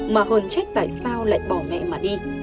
mà hơn trách tại sao lại bỏ mẹ mà đi